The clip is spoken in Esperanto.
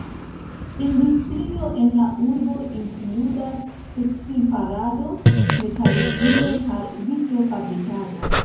Industrio en la urbo inkludas tekstil-farado, metalurgio, kaj vitro-fabrikado.